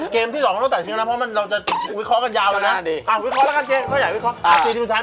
เกมที่๒มันก็ถาดเกมแล้วเพราะมันเราจะวิเคราะห์กันยาวเลยนะ